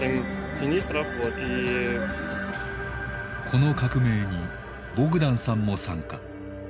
この革命にボグダンさんも参加。